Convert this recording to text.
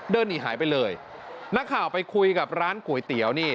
เดินหนีหายไปเลยนักข่าวไปคุยกับร้านก๋วยเตี๋ยวนี่